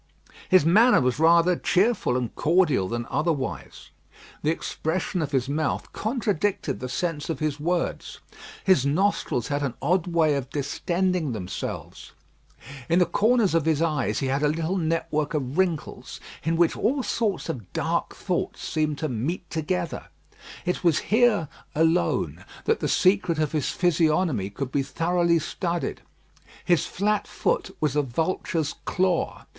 His manner was rather cheerful and cordial than otherwise. The expression of his mouth contradicted the sense of his words. His nostrils had an odd way of distending themselves. In the corners of his eyes he had a little network of wrinkles, in which all sorts of dark thoughts seemed to meet together. It was here alone that the secret of his physiognomy could be thoroughly studied. His flat foot was a vulture's claw.